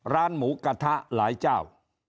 ร้านหมูกระทะหลายเจ้า